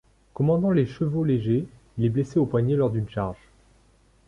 Commandant les chevau-légers, il est blessé au poignet lors d'une charge.